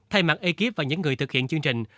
thay mặt ekip và những người thực hiện chương trình